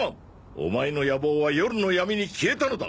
オマエの野望は夜の闇に消えたのだ。